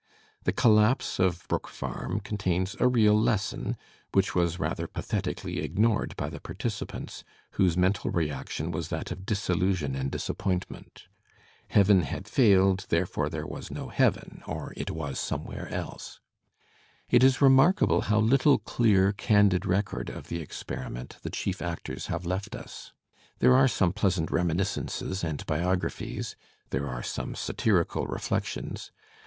The collapse of Brook Parm contains a real lesson, which was rather pathetically ignored by the participants, whose mental reaction was that of disillusion and disappoint ment. Heaven had failed; therefore there was no Heaven, Digitized by Google HAWTHORNE 89 or it was somewhere else. It is remarkable how little clear, candid record of the experiment the chief actors have left us. There are some pleasant reminiscences and biographies. There are some satirical reflections.